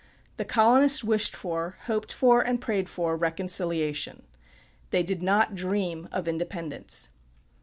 The colonists wished for, hoped for, and prayed for reconciliation. They did not dream of independence.